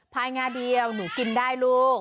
ภายงาเดียวหนูกินได้ลูก